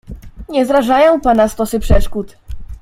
"Nie zrażają pana stosy przeszkód."